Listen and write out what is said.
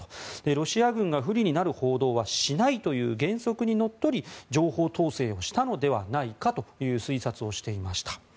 ロシア軍が不利になる報道はしないという原則にのっとり情報統制をしたのではないかという推察をしていました。